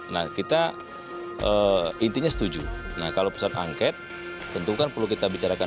nah kita intinya setuju nah kalau pesan angket tentukan perlu kita bicarakan